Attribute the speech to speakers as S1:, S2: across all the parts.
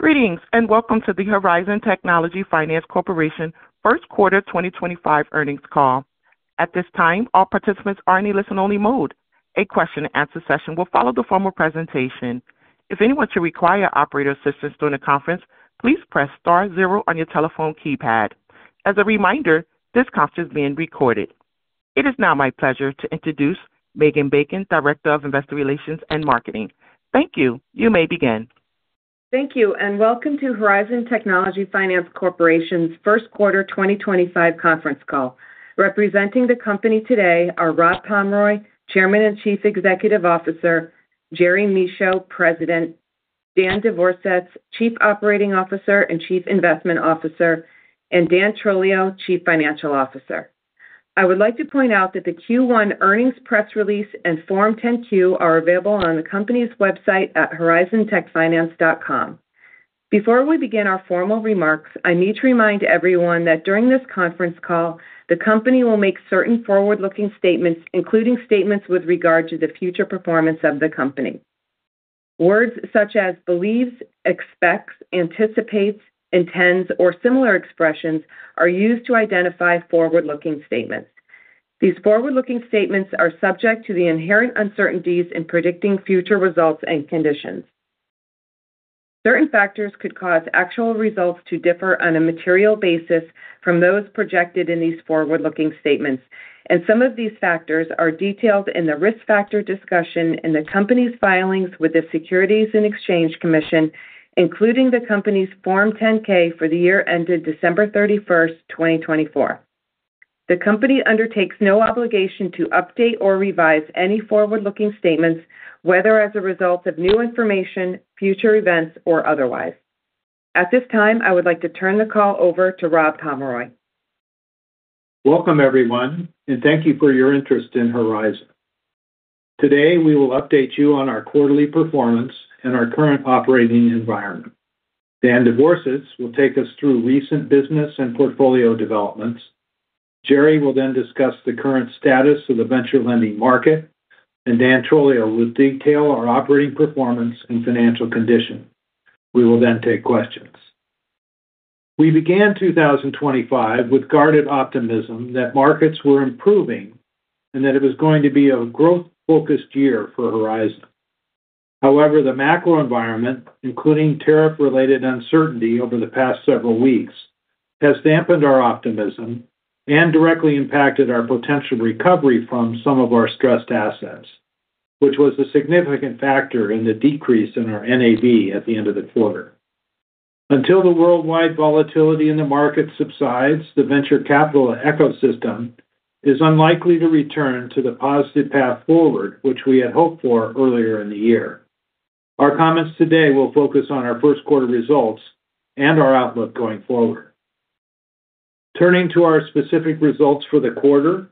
S1: Greetings and welcome to the Horizon Technology Finance Corporation First Quarter 2025 Earnings Call. At this time, all participants are in a listen-only mode. A question-and-answer session will follow the formal presentation. If anyone should require operator assistance during the conference, please press star zero on your telephone keypad. As a reminder, this conference is being recorded. It is now my pleasure to introduce Megan Bacon, Director of Investor Relations and Marketing. Thank you. You may begin.
S2: Thank you and welcome to Horizon Technology Finance Corporation's First Quarter 2025 Conference Call. Representing the company today are Rob Pomeroy, Chairman and Chief Executive Officer; Jerry Michaud, President; Dan Devorsetz, Chief Operating Officer and Chief Investment Officer; and Dan Trolio, Chief Financial Officer. I would like to point out that the Q1 earnings press release and Form 10-Q are available on the company's website at horizontechfinance.com. Before we begin our formal remarks, I need to remind everyone that during this conference call, the company will make certain forward-looking statements, including statements with regard to the future performance of the company. Words such as believes, expects, anticipates, intends, or similar expressions are used to identify forward-looking statements. These forward-looking statements are subject to the inherent uncertainties in predicting future results and conditions. Certain factors could cause actual results to differ on a material basis from those projected in these forward-looking statements, and some of these factors are detailed in the risk factor discussion in the company's filings with the Securities and Exchange Commission, including the company's Form 10-K for the year ended December 31, 2024. The company undertakes no obligation to update or revise any forward-looking statements, whether as a result of new information, future events, or otherwise. At this time, I would like to turn the call over to Rob Pomeroy.
S3: Welcome, everyone, and thank you for your interest in Horizon. Today, we will update you on our quarterly performance and our current operating environment. Dan Devorsetz will take us through recent business and portfolio developments. Jerry will then discuss the current status of the venture lending market, and Dan Trolio will detail our operating performance and financial condition. We will then take questions. We began 2025 with guarded optimism that markets were improving and that it was going to be a growth-focused year for Horizon. However, the macro environment, including tariff-related uncertainty over the past several weeks, has dampened our optimism and directly impacted our potential recovery from some of our stressed assets, which was a significant factor in the decrease in our NAV at the end of the quarter. Until the worldwide volatility in the market subsides, the venture capital ecosystem is unlikely to return to the positive path forward, which we had hoped for earlier in the year. Our comments today will focus on our first quarter results and our outlook going forward. Turning to our specific results for the quarter,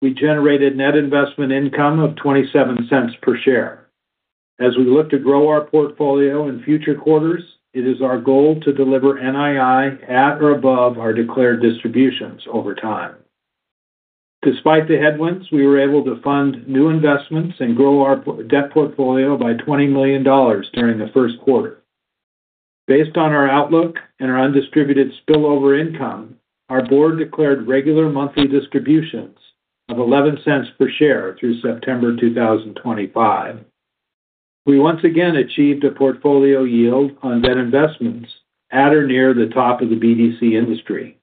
S3: we generated net investment income of $0.27 per share. As we look to grow our portfolio in future quarters, it is our goal to deliver NII at or above our declared distributions over time. Despite the headwinds, we were able to fund new investments and grow our debt portfolio by $20 million during the first quarter. Based on our outlook and our undistributed spillover income, our board declared regular monthly distributions of $0.11 per share through September 2025. We once again achieved a portfolio yield on debt investments at or near the top of the BDC industry.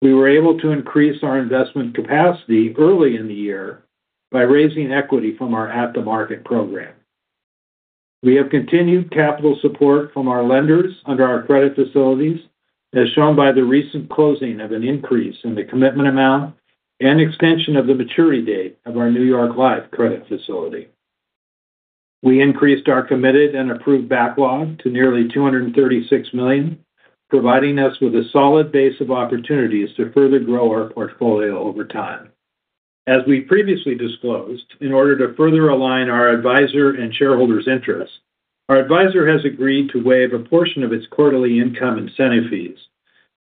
S3: We were able to increase our investment capacity early in the year by raising equity from our at-the-market program. We have continued capital support from our lenders under our credit facilities, as shown by the recent closing of an increase in the commitment amount and extension of the maturity date of our New York Life credit facility. We increased our committed and approved backlog to nearly $236 million, providing us with a solid base of opportunities to further grow our portfolio over time. As we previously disclosed, in order to further align our advisor and shareholders' interests, our advisor has agreed to waive a portion of its quarterly income incentive fees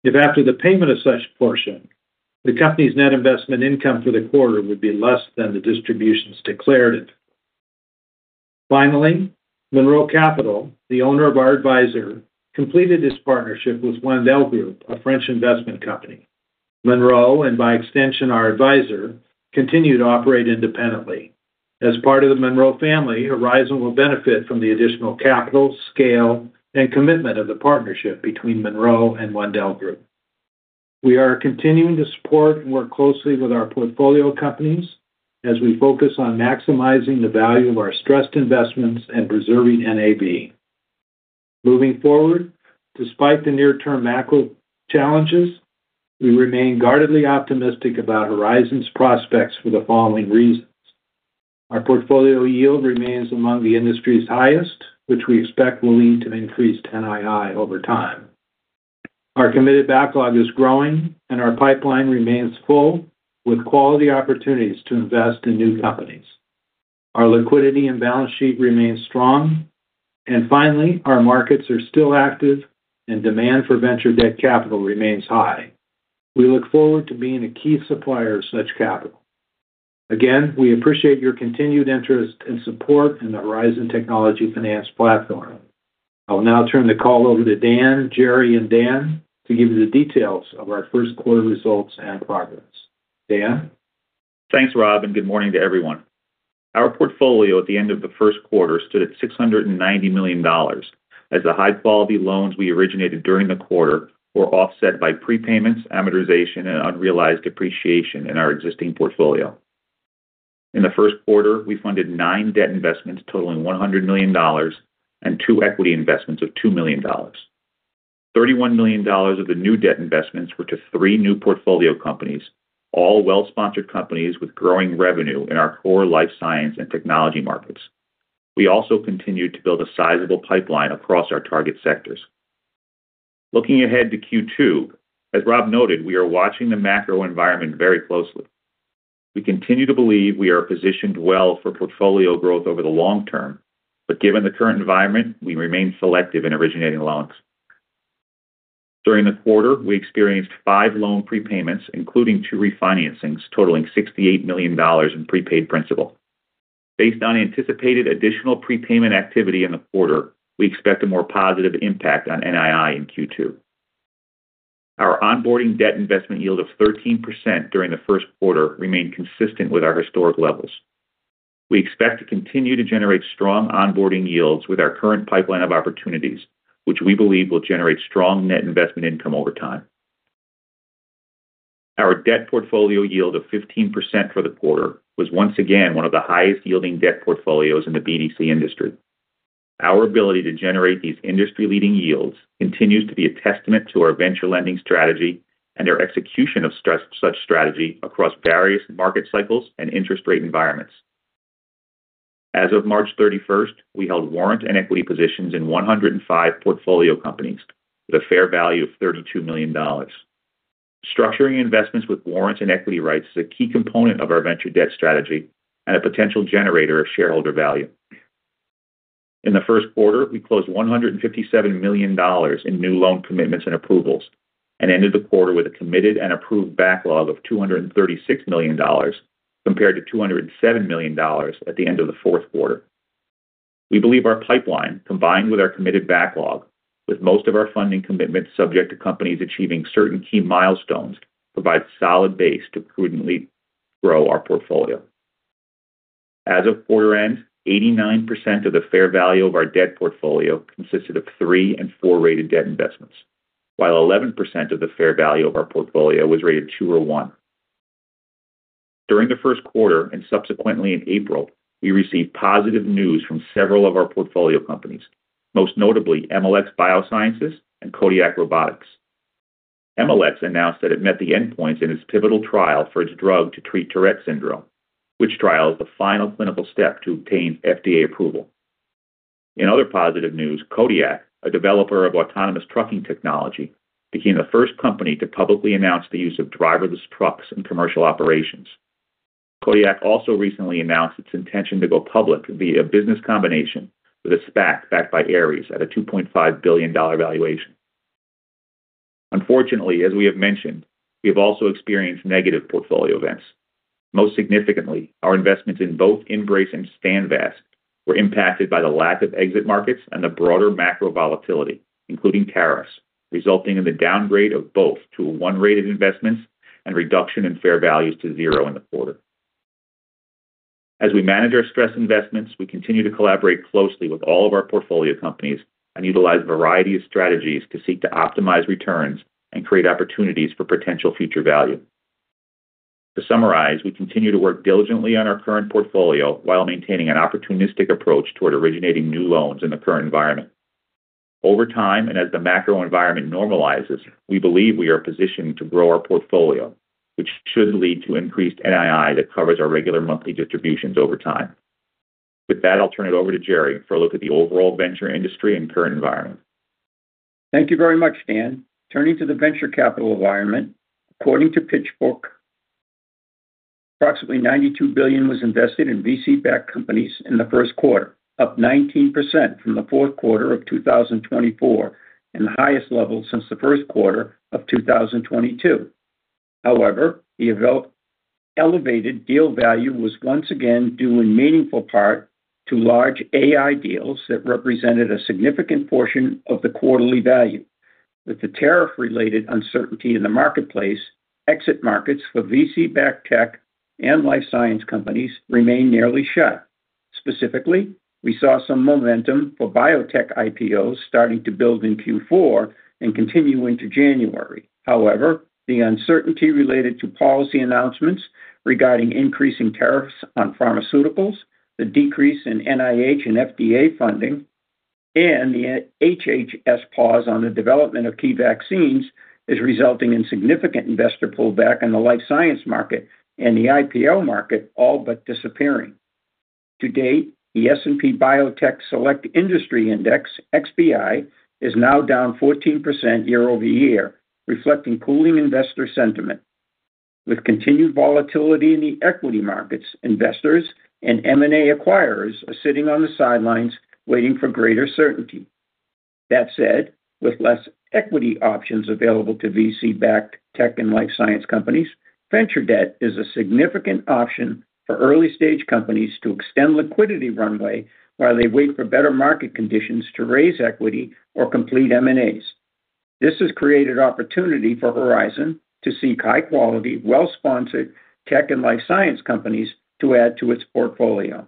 S3: if, after the payment of such a portion, the company's net investment income for the quarter would be less than the distributions declared. Finally, Monroe Capital, the owner of our advisor, completed its partnership with Wendel Group, a French investment company. Monroe, and by extension our advisor, continue to operate independently. As part of the Monroe family, Horizon will benefit from the additional capital, scale, and commitment of the partnership between Monroe and Wendel Group. We are continuing to support and work closely with our portfolio companies as we focus on maximizing the value of our stressed investments and preserving NAV. Moving forward, despite the near-term macro challenges, we remain guardedly optimistic about Horizon's prospects for the following reasons: our portfolio yield remains among the industry's highest, which we expect will lead to increased NII over time; our committed backlog is growing, and our pipeline remains full with quality opportunities to invest in new companies; our liquidity and balance sheet remain strong; and finally, our markets are still active and demand for venture debt capital remains high. We look forward to being a key supplier of such capital. Again, we appreciate your continued interest and support in the Horizon Technology Finance platform. I will now turn the call over to Dan, Jerry, and Dan to give you the details of our first quarter results and progress. Dan?
S4: Thanks, Rob, and good morning to everyone. Our portfolio at the end of the first quarter stood at $690 million as the high-quality loans we originated during the quarter were offset by prepayments, amortization, and unrealized depreciation in our existing portfolio. In the first quarter, we funded nine debt investments totaling $100 million and two equity investments of $2 million. $31 million of the new debt investments were to three new portfolio companies, all well-sponsored companies with growing revenue in our core life science and technology markets. We also continued to build a sizable pipeline across our target sectors. Looking ahead to Q2, as Rob noted, we are watching the macro environment very closely. We continue to believe we are positioned well for portfolio growth over the long term, but given the current environment, we remain selective in originating loans. During the quarter, we experienced five loan prepayments, including two refinancings totaling $68 million in prepaid principal. Based on anticipated additional prepayment activity in the quarter, we expect a more positive impact on NII in Q2. Our onboarding debt investment yield of 13% during the first quarter remained consistent with our historic levels. We expect to continue to generate strong onboarding yields with our current pipeline of opportunities, which we believe will generate strong net investment income over time. Our debt portfolio yield of 15% for the quarter was once again one of the highest-yielding debt portfolios in the BDC industry. Our ability to generate these industry-leading yields continues to be a testament to our venture lending strategy and our execution of such strategy across various market cycles and interest rate environments. As of March 31, we held warrant and equity positions in 105 portfolio companies with a fair value of $32 million. Structuring investments with warrant and equity rights is a key component of our venture debt strategy and a potential generator of shareholder value. In the first quarter, we closed $157 million in new loan commitments and approvals and ended the quarter with a committed and approved backlog of $236 million compared to $207 million at the end of the fourth quarter. We believe our pipeline, combined with our committed backlog, with most of our funding commitments subject to companies achieving certain key milestones, provides a solid base to prudently grow our portfolio. As of quarter end, 89% of the fair value of our debt portfolio consisted of three and four-rated debt investments, while 11% of the fair value of our portfolio was rated two or one. During the first quarter and subsequently in April, we received positive news from several of our portfolio companies, most notably MLX Biosciences and Kodiak Robotics. MLX announced that it met the endpoints in its pivotal trial for its drug to treat Tourette syndrome, which trial is the final clinical step to obtain FDA approval. In other positive news, Kodiak, a developer of autonomous trucking technology, became the first company to publicly announce the use of driverless trucks in commercial operations. Kodiak also recently announced its intention to go public via a business combination with a SPAC backed by Ares at a $2.5 billion valuation. Unfortunately, as we have mentioned, we have also experienced negative portfolio events. Most significantly, our investments in both Embrace and Standvast were impacted by the lack of exit markets and the broader macro volatility, including tariffs, resulting in the downgrade of both to one-rated investments and reduction in fair values to zero in the quarter. As we manage our stressed investments, we continue to collaborate closely with all of our portfolio companies and utilize a variety of strategies to seek to optimize returns and create opportunities for potential future value. To summarize, we continue to work diligently on our current portfolio while maintaining an opportunistic approach toward originating new loans in the current environment. Over time and as the macro environment normalizes, we believe we are positioned to grow our portfolio, which should lead to increased NII that covers our regular monthly distributions over time. With that, I'll turn it over to Jerry for a look at the overall venture industry and current environment.
S5: Thank you very much, Dan. Turning to the venture capital environment, according to PitchBook, approximately $92 billion was invested in VC-backed companies in the first quarter, up 19% from the fourth quarter of 2024 and the highest level since the first quarter of 2022. However, the elevated deal value was once again due in meaningful part to large AI deals that represented a significant portion of the quarterly value. With the tariff-related uncertainty in the marketplace, exit markets for VC-backed tech and life science companies remain nearly shut. Specifically, we saw some momentum for biotech IPOs starting to build in Q4 and continue into January. However, the uncertainty related to policy announcements regarding increasing tariffs on pharmaceuticals, the decrease in NIH and FDA funding, and the HHS pause on the development of key vaccines is resulting in significant investor pullback in the life science market and the IPO market all but disappearing. To date, the S&P Biotech Select Industry Index, XBI, is now down 14% year over year, reflecting cooling investor sentiment. With continued volatility in the equity markets, investors and M&A acquirers are sitting on the sidelines waiting for greater certainty. That said, with less equity options available to VC-backed tech and life science companies, venture debt is a significant option for early-stage companies to extend liquidity runway while they wait for better market conditions to raise equity or complete M&As. This has created opportunity for Horizon to seek high-quality, well-sponsored tech and life science companies to add to its portfolio.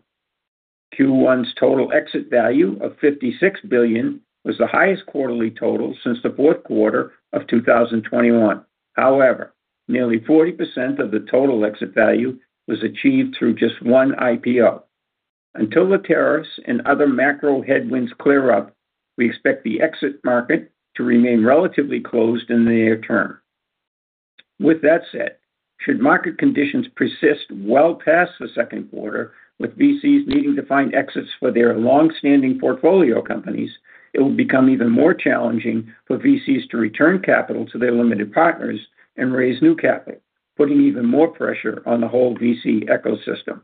S5: Q1's total exit value of $56 billion was the highest quarterly total since the fourth quarter of 2021. However, nearly 40% of the total exit value was achieved through just one IPO. Until the tariffs and other macro headwinds clear up, we expect the exit market to remain relatively closed in the near term. With that said, should market conditions persist well past the second quarter, with VCs needing to find exits for their long-standing portfolio companies, it will become even more challenging for VCs to return capital to their limited partners and raise new capital, putting even more pressure on the whole VC ecosystem.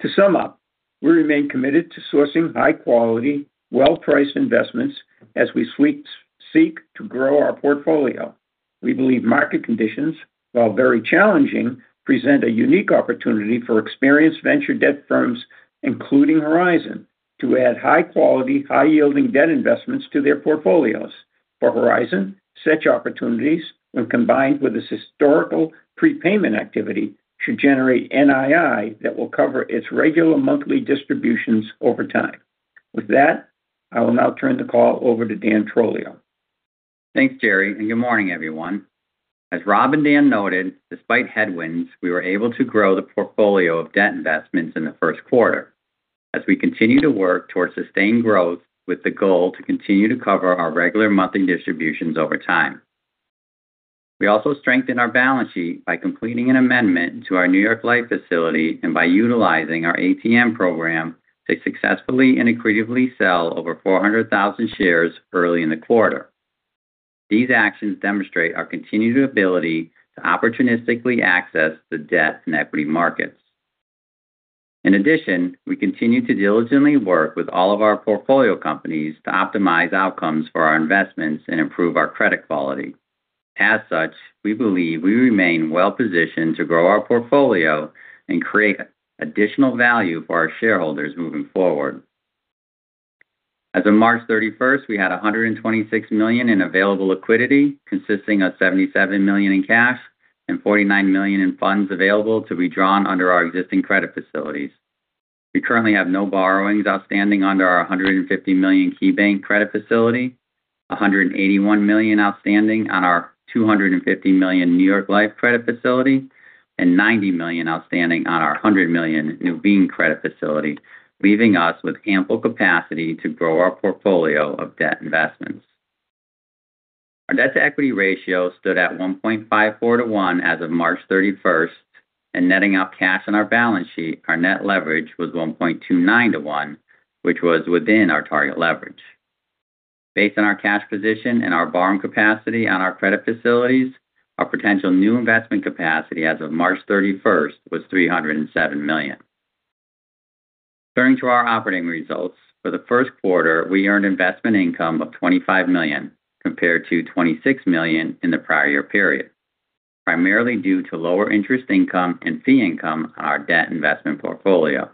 S5: To sum up, we remain committed to sourcing high-quality, well-priced investments as we seek to grow our portfolio. We believe market conditions, while very challenging, present a unique opportunity for experienced venture debt firms, including Horizon, to add high-quality, high-yielding debt investments to their portfolios. For Horizon, such opportunities, when combined with its historical prepayment activity, should generate NII that will cover its regular monthly distributions over time. With that, I will now turn the call over to Dan Trolio.
S6: Thanks, Jerry, and good morning, everyone. As Rob and Dan noted, despite headwinds, we were able to grow the portfolio of debt investments in the first quarter as we continue to work toward sustained growth with the goal to continue to cover our regular monthly distributions over time. We also strengthened our balance sheet by completing an amendment to our New York Life facility and by utilizing our ATM program to successfully and accretively sell over 400,000 shares early in the quarter. These actions demonstrate our continued ability to opportunistically access the debt and equity markets. In addition, we continue to diligently work with all of our portfolio companies to optimize outcomes for our investments and improve our credit quality. As such, we believe we remain well-positioned to grow our portfolio and create additional value for our shareholders moving forward. As of March 31st, we had $126 million in available liquidity, consisting of $77 million in cash and $49 million in funds available to be drawn under our existing credit facilities. We currently have no borrowings outstanding under our $150 million KeyBank credit facility, $181 million outstanding on our $250 million New York Life credit facility, and $90 million outstanding on our $100 million Nubine credit facility, leaving us with ample capacity to grow our portfolio of debt investments. Our debt-to-equity ratio stood at 1.54 to 1 as of March 31st, and netting out cash on our balance sheet, our net leverage was 1.29 to 1, which was within our target leverage. Based on our cash position and our borrowing capacity on our credit facilities, our potential new investment capacity as of March 31st was $307 million. Turning to our operating results, for the first quarter, we earned investment income of $25 million compared to $26 million in the prior year period, primarily due to lower interest income and fee income on our debt investment portfolio.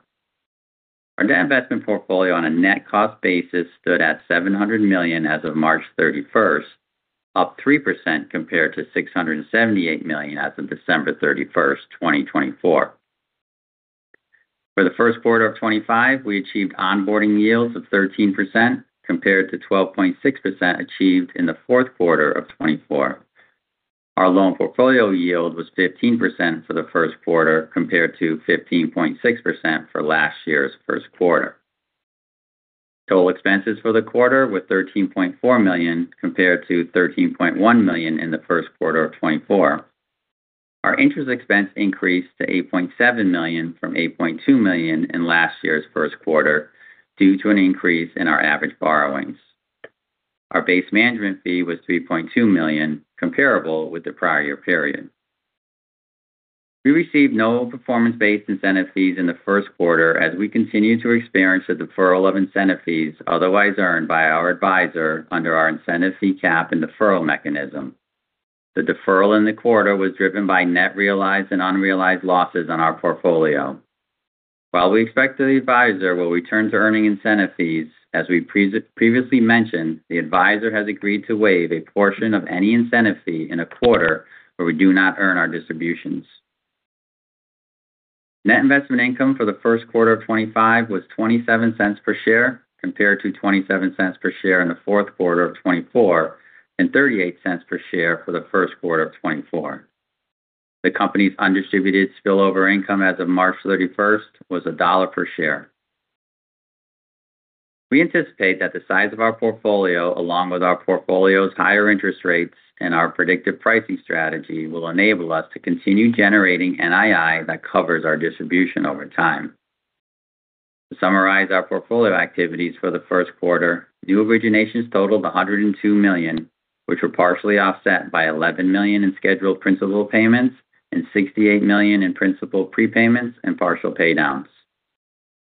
S6: Our debt investment portfolio on a net cost basis stood at $700 million as of March 31, up 3% compared to $678 million as of December 31, 2024. For the first quarter of 2025, we achieved onboarding yields of 13% compared to 12.6% achieved in the fourth quarter of 2024. Our loan portfolio yield was 15% for the first quarter compared to 15.6% for last year's first quarter. Total expenses for the quarter were $13.4 million compared to $13.1 million in the first quarter of 2024. Our interest expense increased to $8.7 million from $8.2 million in last year's first quarter due to an increase in our average borrowings. Our base management fee was $3.2 million, comparable with the prior year period. We received no performance-based incentive fees in the first quarter as we continued to experience a deferral of incentive fees otherwise earned by our advisor under our incentive fee cap and deferral mechanism. The deferral in the quarter was driven by net realized and unrealized losses on our portfolio. While we expect the advisor will return to earning incentive fees, as we previously mentioned, the advisor has agreed to waive a portion of any incentive fee in a quarter where we do not earn our distributions. Net investment income for the first quarter of 2025 was $0.27 per share compared to $0.27 per share in the fourth quarter of 2024 and $0.38 per share for the first quarter of 2024. The company's undistributed spillover income as of March 31 was $1 per share. We anticipate that the size of our portfolio, along with our portfolio's higher interest rates and our predictive pricing strategy, will enable us to continue generating NII that covers our distribution over time. To summarize our portfolio activities for the first quarter, new originations totaled $102 million, which were partially offset by $11 million in scheduled principal payments and $68 million in principal prepayments and partial paydowns.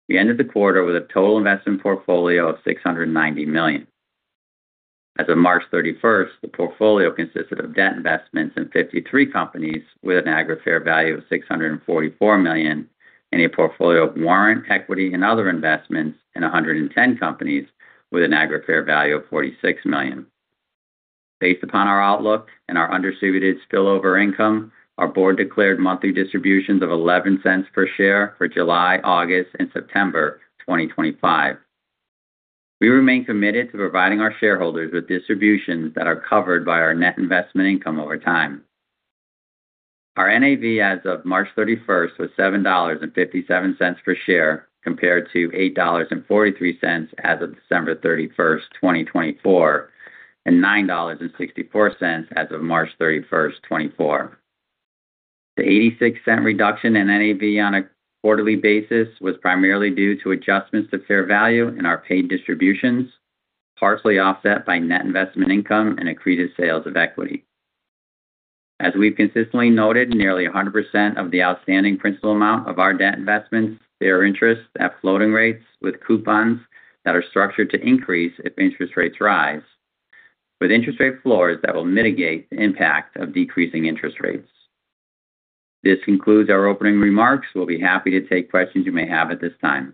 S6: We ended the quarter with a total investment portfolio of $690 million. As of March 31, the portfolio consisted of debt investments in 53 companies with an aggregate fair value of $644 million and a portfolio of warrant, equity, and other investments in 110 companies with an aggregate fair value of $46 million. Based upon our outlook and our undistributed spillover income, our board declared monthly distributions of $0.11 per share for July, August, and September 2025. We remain committed to providing our shareholders with distributions that are covered by our net investment income over time. Our NAV as of March 31 was $7.57 per share compared to $8.43 as of December 31, 2024, and $9.64 as of March 31, 2024. The $0.86 reduction in NAV on a quarterly basis was primarily due to adjustments to fair value in our paid distributions, partially offset by net investment income and accretive sales of equity. As we've consistently noted, nearly 100% of the outstanding principal amount of our debt investments bear interest at floating rates with coupons that are structured to increase if interest rates rise, with interest rate floors that will mitigate the impact of decreasing interest rates. This concludes our opening remarks. We'll be happy to take questions you may have at this time.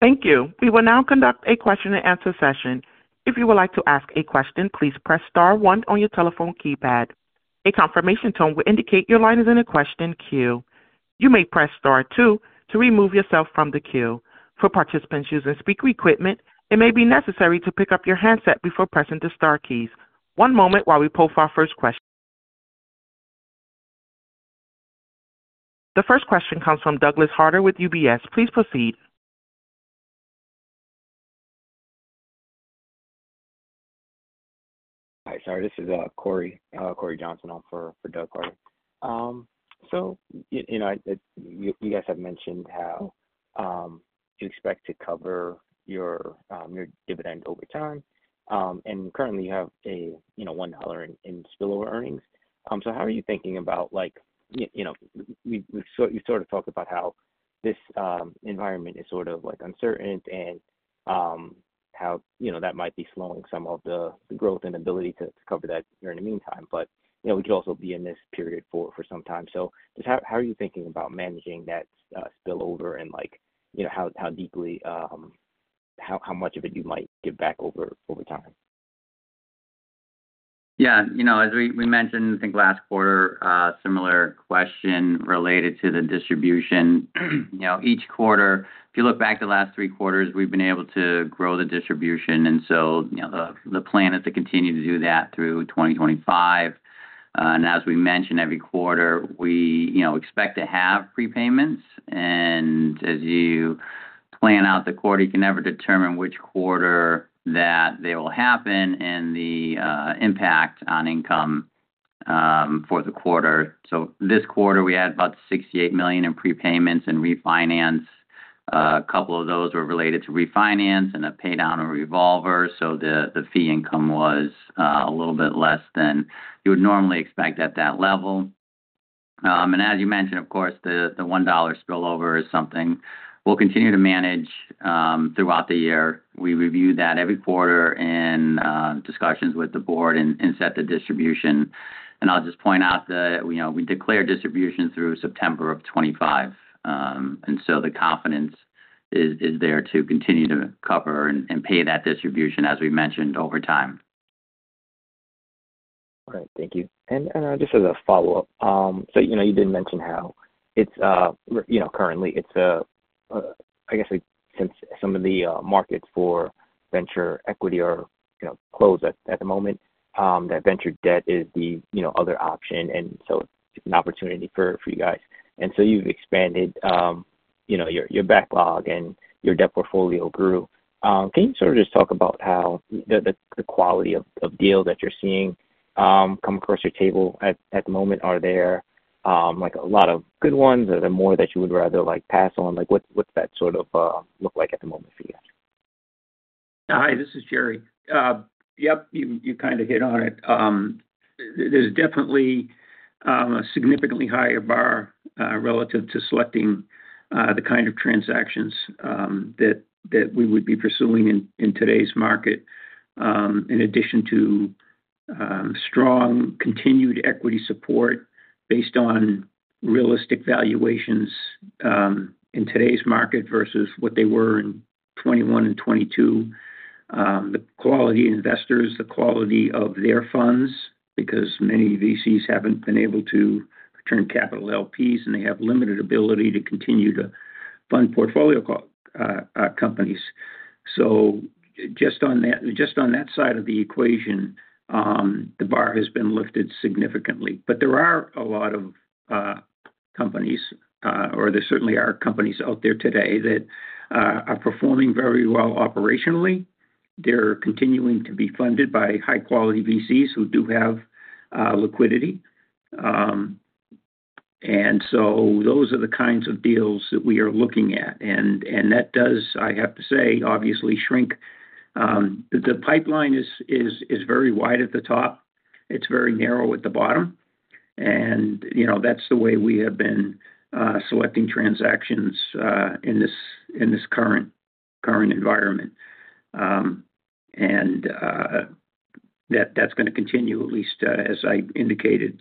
S1: Thank you. We will now conduct a question-and-answer session. If you would like to ask a question, please press Star 1 on your telephone keypad. A confirmation tone will indicate your line is in a question queue. You may press Star 2 to remove yourself from the queue. For participants using speaker equipment, it may be necessary to pick up your handset before pressing the Star keys. One moment while we pull for our first question. The first question comes from Douglas Harter with UBS. Please proceed.
S7: Hi, sorry. This is Corey Johnson. I'm for Doug Harter. You guys have mentioned how you expect to cover your dividend over time. Currently, you have a $1 in spillover earnings. How are you thinking about, we've sort of talked about how this environment is sort of uncertain and how that might be slowing some of the growth and ability to cover that during the meantime. We could also be in this period for some time. Just how are you thinking about managing that spillover and how deeply, how much of it you might give back over time?
S6: Yeah. As we mentioned, I think last quarter, a similar question related to the distribution. Each quarter, if you look back to the last three quarters, we've been able to grow the distribution. The plan is to continue to do that through 2025. As we mentioned, every quarter, we expect to have prepayments. As you plan out the quarter, you can never determine which quarter that they will happen and the impact on income for the quarter. This quarter, we had about $68 million in prepayments and refinance. A couple of those were related to refinance and a paydown or revolver. The fee income was a little bit less than you would normally expect at that level. As you mentioned, of course, the $1 spillover is something we'll continue to manage throughout the year. We review that every quarter in discussions with the board and set the distribution. I will just point out that we declare distributions through September of 2025. The confidence is there to continue to cover and pay that distribution, as we mentioned, over time.
S7: All right. Thank you. Just as a follow-up, you did mention how currently, I guess, since some of the markets for venture equity are closed at the moment, that venture debt is the other option. It is an opportunity for you guys. You have expanded your backlog, and your debt portfolio grew. Can you sort of just talk about how the quality of deals that you are seeing come across your table at the moment? Are there a lot of good ones, or are there more that you would rather pass on? What does that sort of look like at the moment for you?
S5: Hi, this is Jerry. Yep, you kind of hit on it. There's definitely a significantly higher bar relative to selecting the kind of transactions that we would be pursuing in today's market, in addition to strong continued equity support based on realistic valuations in today's market versus what they were in 2021 and 2022, the quality of investors, the quality of their funds, because many VCs haven't been able to return capital to LPs, and they have limited ability to continue to fund portfolio companies. Just on that side of the equation, the bar has been lifted significantly. There are a lot of companies, or there certainly are companies out there today that are performing very well operationally. They're continuing to be funded by high-quality VCs who do have liquidity. Those are the kinds of deals that we are looking at. That does, I have to say, obviously shrink. The pipeline is very wide at the top. It is very narrow at the bottom. That is the way we have been selecting transactions in this current environment. That is going to continue, at least as I indicated,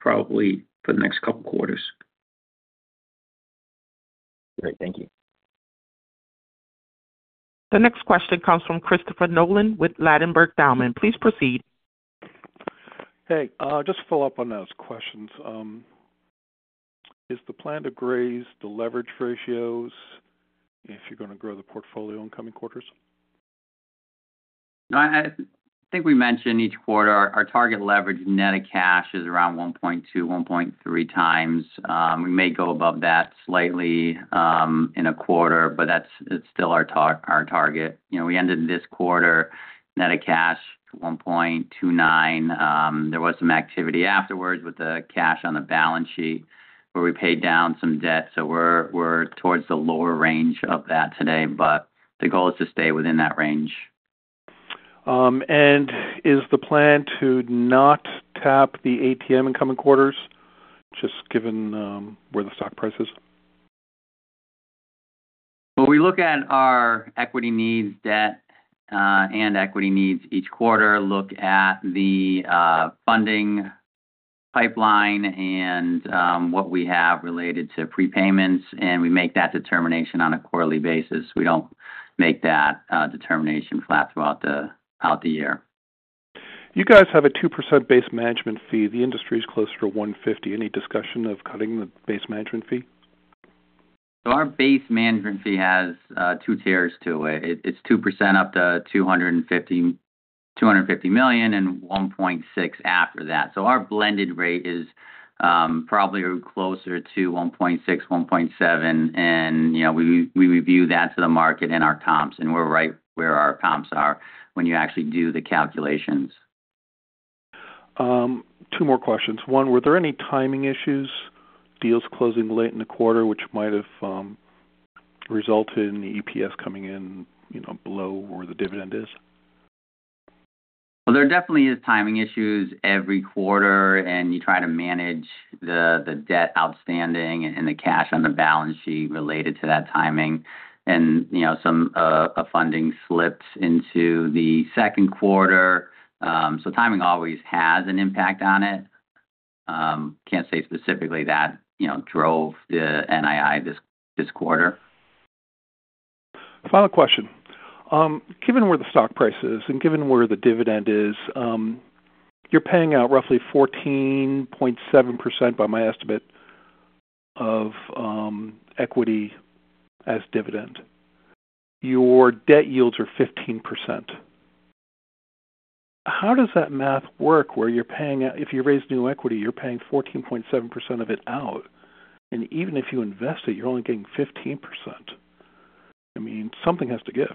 S5: probably for the next couple of quarters.
S7: Great. Thank you.
S1: The next question comes from Christopher Nolan with Ladenburg Thalmann. Please proceed.
S8: Hey, just to follow up on those questions. Is the plan to raise the leverage ratios if you're going to grow the portfolio in coming quarters?
S6: I think we mentioned each quarter, our target leverage net of cash is around 1.2-1.3 times. We may go above that slightly in a quarter, but that's still our target. We ended this quarter net of cash at 1.29. There was some activity afterwards with the cash on the balance sheet where we paid down some debt. We are towards the lower range of that today. The goal is to stay within that range.
S8: Is the plan to not tap the ATM in coming quarters, just given where the stock price is?
S6: We look at our equity needs, debt, and equity needs each quarter. We look at the funding pipeline and what we have related to prepayments. We make that determination on a quarterly basis. We do not make that determination flat throughout the year.
S8: You guys have a 2% base management fee. The industry is closer to 1.50%. Any discussion of cutting the base management fee?
S6: Our base management fee has two tiers to it. It is 2% up to $250 million and 1.6% after that. Our blended rate is probably closer to 1.6%, 1.7%. We review that to the market and our comps. We are right where our comps are when you actually do the calculations.
S8: Two more questions. One, were there any timing issues, deals closing late in the quarter, which might have resulted in the EPS coming in below where the dividend is?
S6: There definitely is timing issues every quarter. You try to manage the debt outstanding and the cash on the balance sheet related to that timing. Some funding slips into the second quarter. Timing always has an impact on it. Can't say specifically that drove the NII this quarter.
S8: Final question. Given where the stock price is and given where the dividend is, you're paying out roughly 14.7% by my estimate of equity as dividend. Your debt yields are 15%. How does that math work where you're paying out if you raise new equity, you're paying 14.7% of it out. And even if you invest it, you're only getting 15%. I mean, something has to give.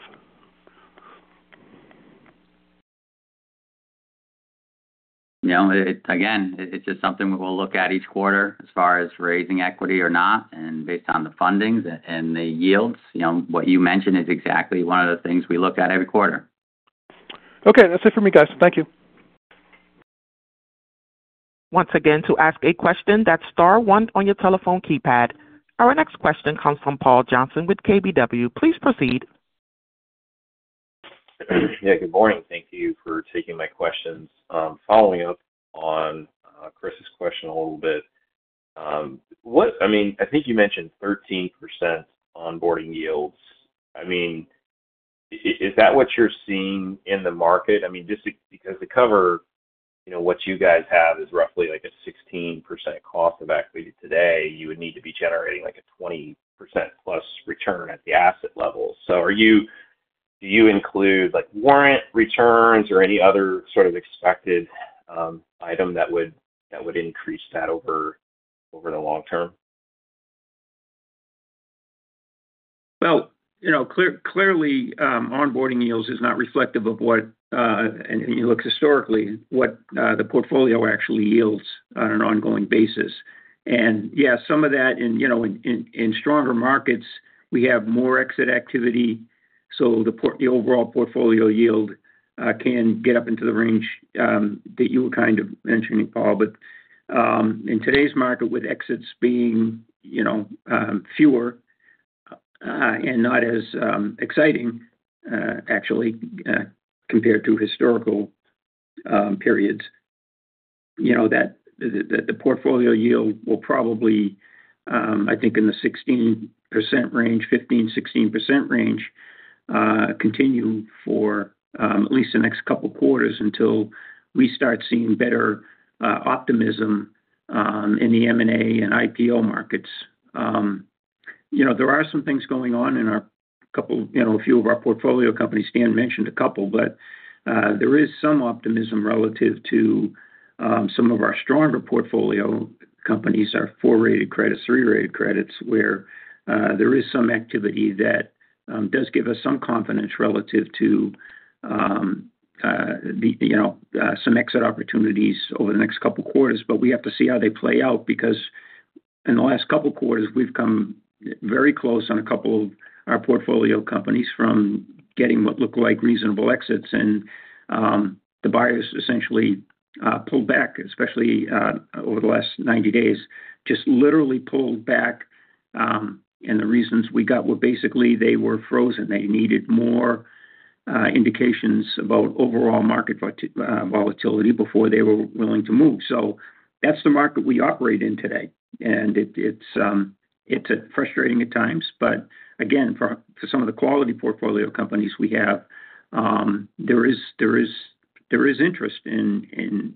S6: Again, it's just something we'll look at each quarter as far as raising equity or not. Based on the fundings and the yields, what you mentioned is exactly one of the things we look at every quarter.
S8: Okay. That's it for me, guys. Thank you.
S1: Once again, to ask a question, that's Star 1 on your telephone keypad. Our next question comes from Paul Johnson with KBW. Please proceed.
S9: Yeah. Good morning. Thank you for taking my questions. Following up on Chris's question a little bit, I mean, I think you mentioned 13% onboarding yields. I mean, is that what you're seeing in the market? I mean, just because to cover what you guys have is roughly like a 16% cost of equity today, you would need to be generating like a 20%+ return at the asset level. So do you include warrant returns or any other sort of expected item that would increase that over the long term?
S5: Clearly, onboarding yields is not reflective of what it looks historically, what the portfolio actually yields on an ongoing basis. Yeah, some of that in stronger markets, we have more exit activity. The overall portfolio yield can get up into the range that you were kind of mentioning, Paul. In today's market, with exits being fewer and not as exciting, actually, compared to historical periods, the portfolio yield will probably, I think, in the 16% range, 15-16% range, continue for at least the next couple of quarters until we start seeing better optimism in the M&A and IPO markets. There are some things going on in a couple of a few of our portfolio companies. Dan mentioned a couple, but there is some optimism relative to some of our stronger portfolio companies, our four-rated credit, three-rated credits, where there is some activity that does give us some confidence relative to some exit opportunities over the next couple of quarters. We have to see how they play out because in the last couple of quarters, we've come very close on a couple of our portfolio companies from getting what looked like reasonable exits. The buyers essentially pulled back, especially over the last 90 days, just literally pulled back. The reasons we got were basically they were frozen. They needed more indications about overall market volatility before they were willing to move. That is the market we operate in today. It is frustrating at times. For some of the quality portfolio companies we have, there is interest in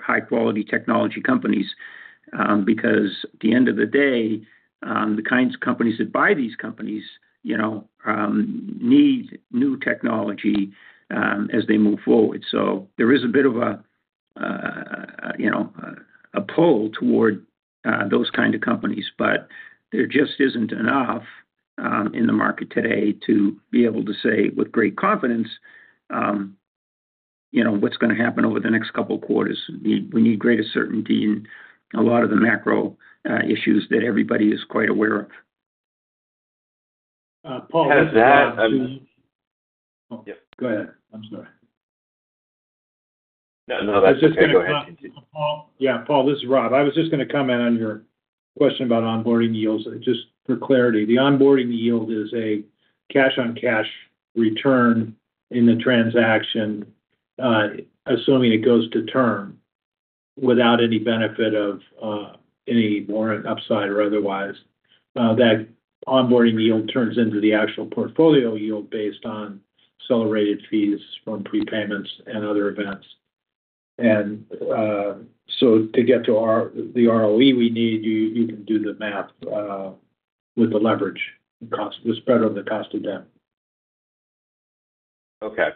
S5: high-quality technology companies because at the end of the day, the kinds of companies that buy these companies need new technology as they move forward. There is a bit of a pull toward those kinds of companies. There just is not enough in the market today to be able to say with great confidence what is going to happen over the next couple of quarters. We need greater certainty in a lot of the macro issues that everybody is quite aware of.
S3: Paul, this is— Yeah. Go ahead. I'm sorry.
S9: No, no, that's good. Go ahead.
S3: Yeah. Paul, this is Rob. I was just going to comment on your question about onboarding yields. Just for clarity, the onboarding yield is a cash-on-cash return in the transaction, assuming it goes to term without any benefit of any warrant upside or otherwise. That onboarding yield turns into the actual portfolio yield based on accelerated fees from prepayments and other events. To get to the ROE we need, you can do the math with the leverage cost, the spread on the cost of debt.
S9: Okay.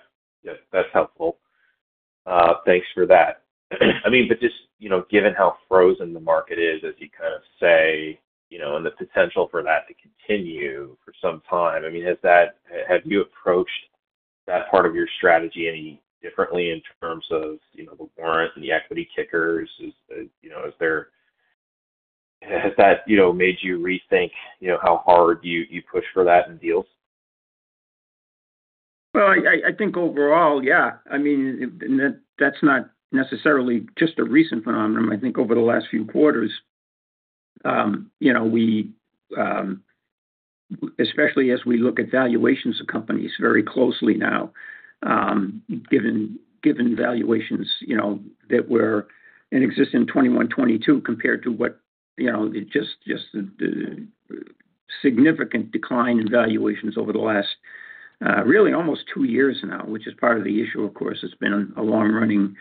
S9: Yeah. That's helpful. Thanks for that. I mean, just given how frozen the market is, as you kind of say, and the potential for that to continue for some time, I mean, have you approached that part of your strategy any differently in terms of the warrant and the equity kickers? Has that made you rethink how hard you push for that in deals?
S5: I think overall, yeah. I mean, that's not necessarily just a recent phenomenon. I think over the last few quarters, especially as we look at valuations of companies very closely now, given valuations that were in existence 2021, 2022 compared to just the significant decline in valuations over the last really almost two years now, which is part of the issue, of course. It's been a long-running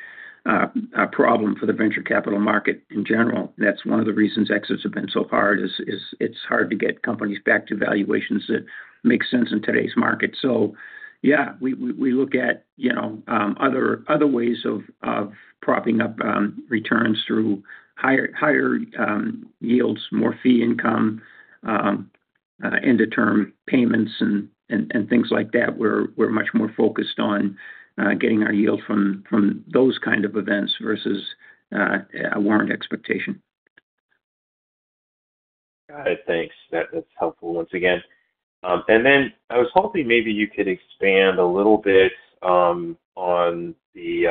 S5: problem for the venture capital market in general. That's one of the reasons exits have been so hard. It's hard to get companies back to valuations that make sense in today's market. Yeah, we look at other ways of propping up returns through higher yields, more fee income, end-of-term payments, and things like that. We're much more focused on getting our yield from those kinds of events versus a warrant expectation.
S9: Got it. Thanks. That's helpful once again. I was hoping maybe you could expand a little bit on the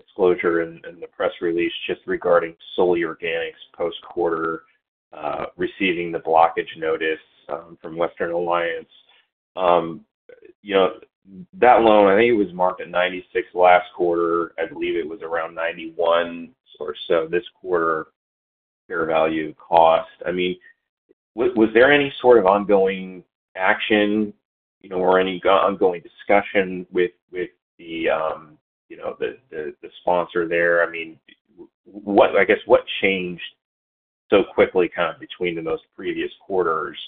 S9: disclosure and the press release just regarding Soli Organics post-quarter receiving the blockage notice from Western Alliance. That loan, I think it was marked at 96 last quarter. I believe it was around 91 or so this quarter fair value cost. I mean, was there any sort of ongoing action or any ongoing discussion with the sponsor there? I mean, I guess what changed so quickly kind of between the most previous quarters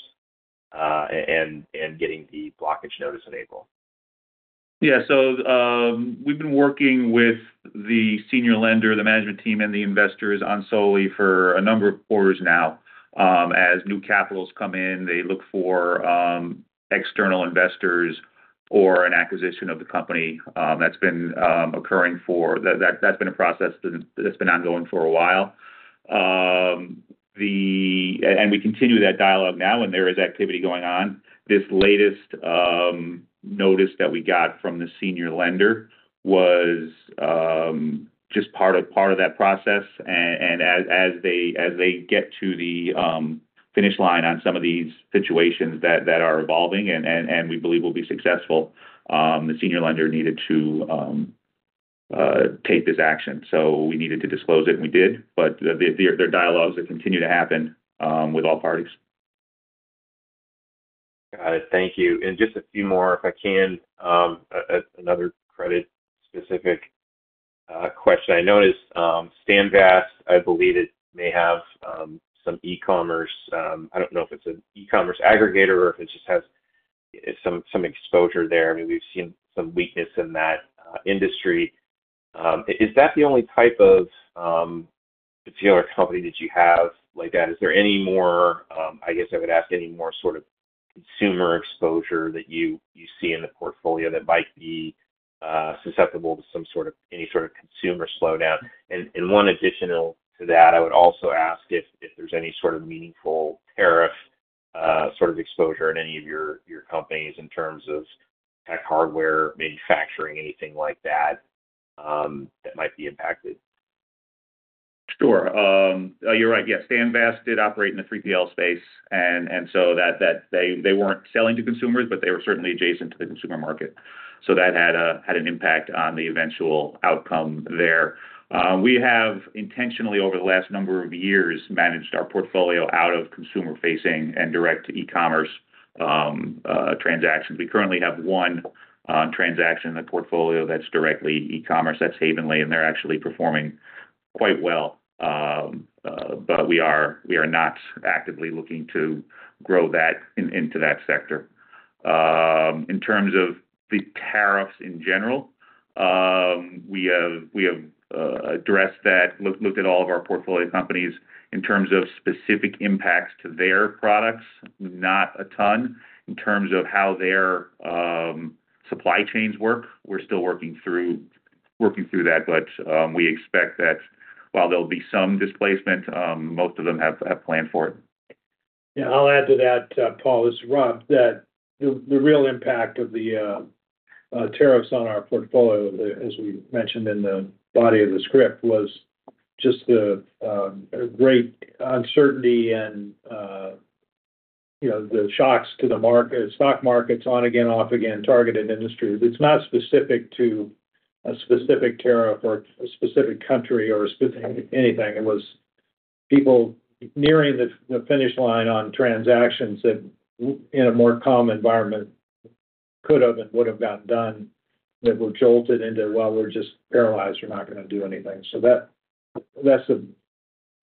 S9: and getting the blockage notice in April?
S5: Yeah. We have been working with the senior lender, the management team, and the investors on Soli for a number of quarters now. As new capital has come in, they look for external investors or an acquisition of the company. That has been occurring for a while. We continue that dialogue now, and there is activity going on. This latest notice that we got from the senior lender was just part of that process. As they get to the finish line on some of these situations that are evolving and we believe will be successful, the senior lender needed to take this action. We needed to disclose it, and we did. Their dialogues continue to happen with all parties.
S9: Got it. Thank you. Just a few more, if I can, another credit-specific question. I noticed Standvast, I believe it may have some e-commerce. I do not know if it is an e-commerce aggregator or if it just has some exposure there. I mean, we have seen some weakness in that industry. Is that the only type of particular company that you have like that? Is there any more? I guess I would ask any more sort of consumer exposure that you see in the portfolio that might be susceptible to some sort of any sort of consumer slowdown? One additional to that, I would also ask if there is any sort of meaningful tariff sort of exposure in any of your companies in terms of tech hardware, manufacturing, anything like that that might be impacted.
S5: Sure. You're right. Yeah. Standvast did operate in the 3PL space. They weren't selling to consumers, but they were certainly adjacent to the consumer market. That had an impact on the eventual outcome there. We have intentionally, over the last number of years, managed our portfolio out of consumer-facing and direct e-commerce transactions. We currently have one transaction in the portfolio that's directly e-commerce. That's Havenly. They're actually performing quite well. We are not actively looking to grow that into that sector. In terms of the tariffs in general, we have addressed that, looked at all of our portfolio companies. In terms of specific impacts to their products, not a ton. In terms of how their supply chains work, we're still working through that. We expect that while there will be some displacement, most of them have planned for it.
S3: Yeah. I'll add to that, Paul, this is Rob, that the real impact of the tariffs on our portfolio, as we mentioned in the body of the script, was just the great uncertainty and the shocks to the stock markets on again, off again, targeted industries. It's not specific to a specific tariff or a specific country or anything. It was people nearing the finish line on transactions that in a more calm environment could have and would have gotten done that were jolted into, "Well, we're just paralyzed. We're not going to do anything." That is the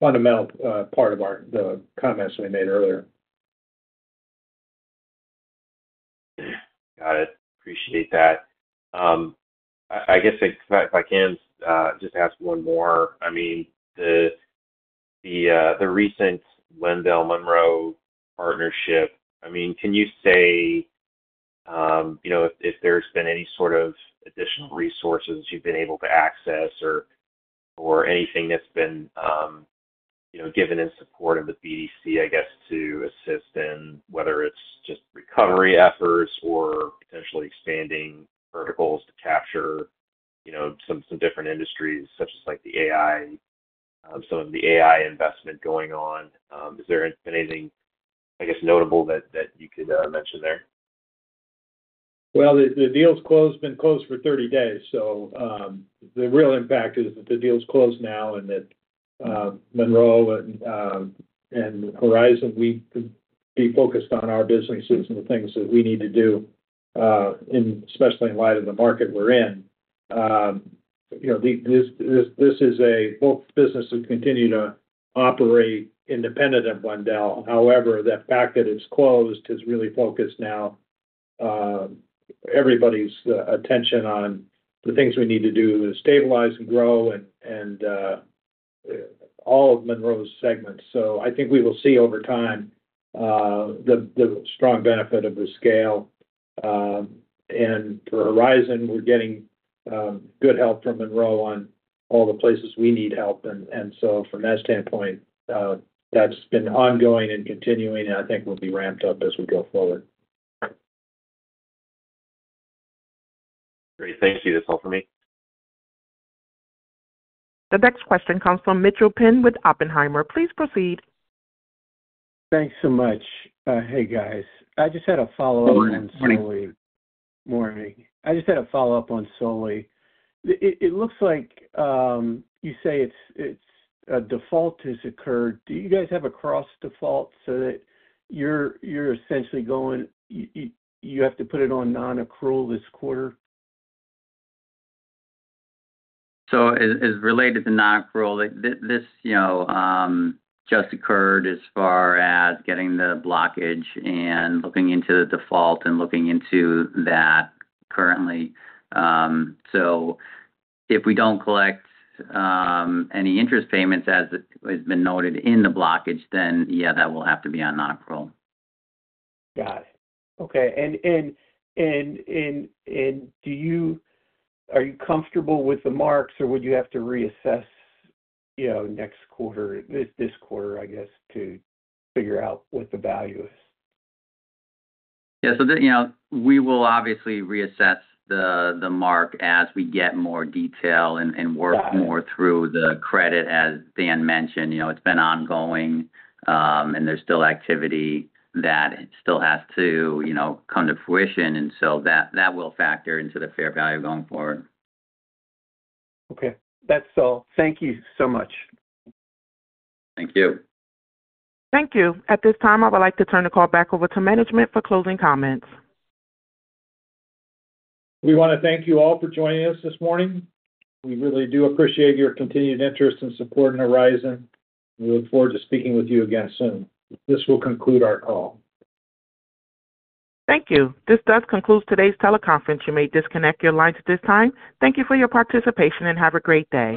S3: fundamental part of the comments we made earlier.
S9: Got it. Appreciate that. I guess if I can just ask one more. I mean, the recent Wendel-Monroe partnership, I mean, can you say if there's been any sort of additional resources you've been able to access or anything that's been given in support of the BDC, I guess, to assist in whether it's just recovery efforts or potentially expanding verticals to capture some different industries such as the AI, some of the AI investment going on? Has there been anything, I guess, notable that you could mention there?
S3: The deal's closed. It's been closed for 30 days. The real impact is that the deal's closed now and that Monroe and Horizon, we could be focused on our businesses and the things that we need to do, especially in light of the market we're in. This is a business that continued to operate independent of Wendel. However, the fact that it's closed has really focused now everybody's attention on the things we need to do to stabilize and grow and all of Monroe's segments. I think we will see over time the strong benefit of the scale. For Horizon, we're getting good help from Monroe on all the places we need help. From that standpoint, that's been ongoing and continuing, and I think will be ramped up as we go forward.
S9: Great. Thanks. You did this all for me.
S1: The next question comes from Mitchel Penn with Oppenheimer. Please proceed.
S10: Thanks so much. Hey, guys. I just had a follow-up on Soli.
S3: Morning.
S10: Morning. I just had a follow-up on Soli. It looks like you say a default has occurred. Do you guys have a cross-default so that you're essentially going you have to put it on non-accrual this quarter?
S5: It is related to non-accrual. This just occurred as far as getting the blockage and looking into the default and looking into that currently. If we do not collect any interest payments, as has been noted in the blockage, then yeah, that will have to be on non-accrual.
S10: Got it. Okay. Are you comfortable with the marks, or would you have to reassess next quarter, this quarter, I guess, to figure out what the value is?
S5: Yeah. We will obviously reassess the mark as we get more detail and work more through the credit. As Dan mentioned, it's been ongoing, and there's still activity that still has to come to fruition. That will factor into the fair value going forward.
S10: Okay. That's all. Thank you so much.
S5: Thank you.
S1: Thank you. At this time, I would like to turn the call back over to management for closing comments.
S3: We want to thank you all for joining us this morning. We really do appreciate your continued interest and support in Horizon. We look forward to speaking with you again soon. This will conclude our call.
S1: Thank you. This does conclude today's teleconference. You may disconnect your lines at this time. Thank you for your participation and have a great day.